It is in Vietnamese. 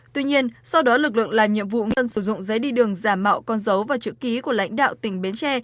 tuy nhiên sau đó lực lượng làm nhiệm vụ tân sử dụng giấy đi đường giả mạo con dấu và chữ ký của lãnh đạo tỉnh bến tre